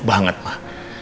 kita itu internal